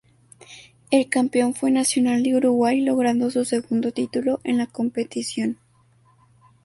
El campeón fue Nacional de Uruguay, logrando su segundo título en la competición.